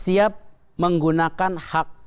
siap menggunakan hak konteks